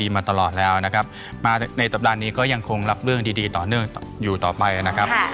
มาในสัปดาห์นี้ก็ยังคงรับเรื่องดีต่อเนื่องอยู่ต่อไปนะครับ